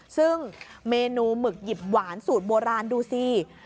ซึ่งเมนูหมึกหยิบหวานสูตรโบราณดูสิ